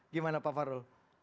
gimana pak fahru